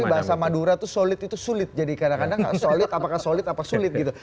tapi bahasa madura itu solid itu sulit jadi kadang kadang solid apakah solid apa sulit gitu